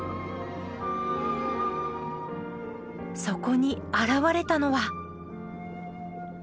そこに現れたのは。